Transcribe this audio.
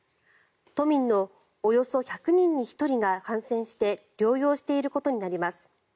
都民のおよそ１００人に１人が感染して療養していることになります。